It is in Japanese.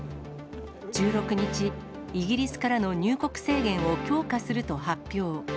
１６日、イギリスからの入国制限を強化すると発表。